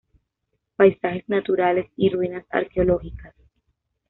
Paisajes naturales y ruinas arqueológicas.